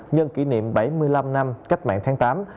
nhân kỷ niệm bảy mươi năm năm cách mạng tháng tám